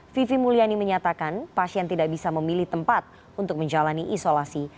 vivi mulyani menyatakan pasien tidak bisa memilih tempat untuk menjalani isolasi